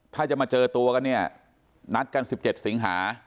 ถ้าจะมาเจอตัวกันเนี่ยนัดกัน๑๗สิงหา